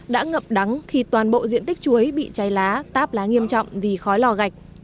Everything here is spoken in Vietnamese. đã ngập đắng khi toàn bộ diện tích chuối bị cháy lá táp lá nghiêm trọng vì khói lò gạch